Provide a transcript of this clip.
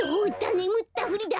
ねむったふりだ！